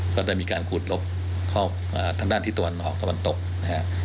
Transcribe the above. ก็จะมีการคูดลบทั้งด้านที่ตัวนออกก็มันตกนะครับ